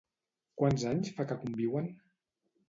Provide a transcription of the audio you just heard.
Quants anys fa que conviuen?